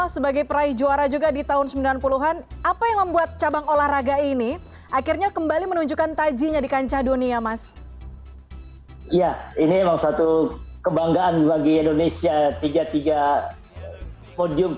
spesial untuk cowok